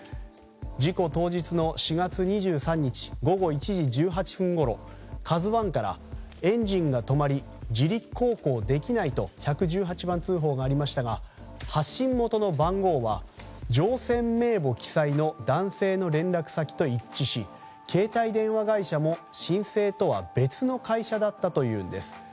事故当日の４月２３日午後１時１８分ごろ「ＫＡＺＵ１」からエンジンが止まり自力航行できないと１１８番通報がありましたが発信元の番号は乗船名簿記載の男性の連絡先と一致し携帯電話会社も申請とは別の会社だったというんです。